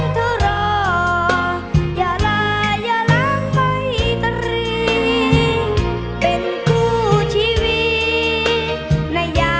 ด้วยเรทที่มี